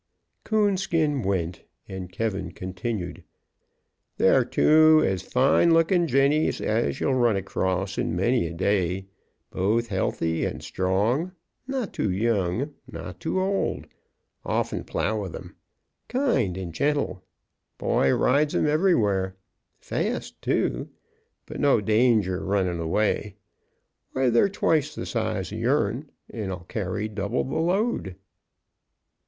Coonskin went, and K continued: "They're two as fine lookin' jennies as ye'll run across in many a day, both healthy and strong not too young not too old often plow with 'em kind and gentle boy rides 'em everywhere fast, too, but no danger runnin' away. Why, they're twice the size o' your'n, and 'll carry double the load."